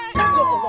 iya babek gaul nih ye